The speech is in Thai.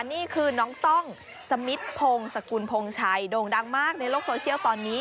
นี่คือน้องต้องสมิทพงศกุลพงชัยโด่งดังมากในโลกโซเชียลตอนนี้